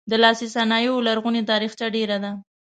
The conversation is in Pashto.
د لاسي صنایعو لرغونې تاریخچه ډیره ده.